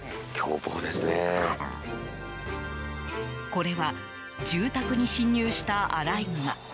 これは住宅に侵入したアライグマ。